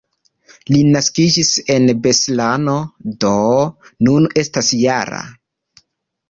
Li naskiĝis en Beslano, do nun estas -jara.